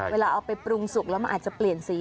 เวลาเอาไปปรุงสุกแล้วมันอาจจะเปลี่ยนสี